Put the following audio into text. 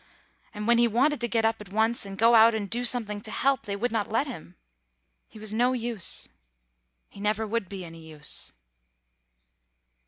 And when he wanted to get up at once and go out and do something to help, they would not let him. He was no use. He never would be any use.